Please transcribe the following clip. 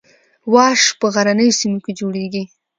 واش په غرنیو سیمو کې جوړیږي